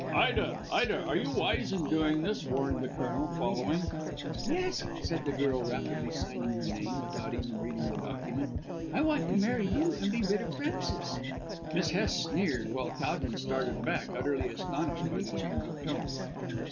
"Ida, Ida! Are you wise in doing this?" warned the Colonel, following. "Yes," said the girl rapidly signing her name and without even reading the document. "I want to marry you and be rid of Frances." Miss Hest sneered, while Towton started back, utterly astonished by the change of tone.